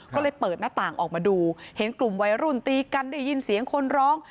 ก็เลยเปิดหน้าต่างออกมาดูเห็นกลุ่มวัยรุ่นตีกันได้ยินเสียงคนร้อง